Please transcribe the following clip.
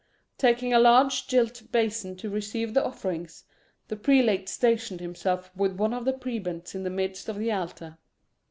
Taking a large gilt bason to receive the offerings, the prelate stationed himself with one of the prebends in the midst of the altar.